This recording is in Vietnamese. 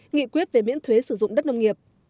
nghị quyết về miễn thuế sử dụng đất nông nghiệp